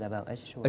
dạ vâng asexual